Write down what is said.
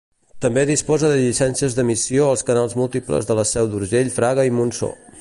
També disposa de llicències d'emissió als canals múltiples de La Seu d'Urgell, Fraga i Monsó.